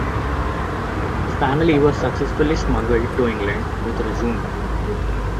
The family was successfully smuggled to England with Rezun.